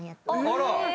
あら！